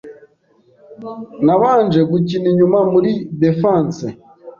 Nabanje gukina inyuma muri defence